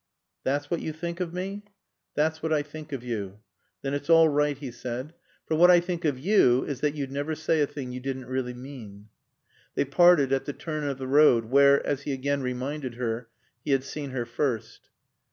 "That's what you think of me?" "That's what I think of you." "Then it's all right," he said. "For what I think of you is that you'd never say a thing you didn't really mean." They parted at the turn of the road, where, as he again reminded her, he had seen her first.